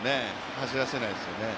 走らせないですよね。